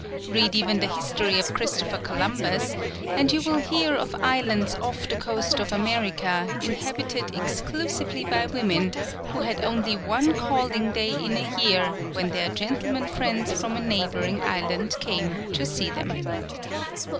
Read even the history of Christopher Columbus and you will hear of islands off the coast of America inhabited exclusively by women who had only one calling day in a year when their gentlemen friends from a neighboring island came to see them.